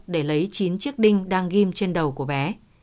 để lấy chín chiếc đinh đang ghim trên đầu của bé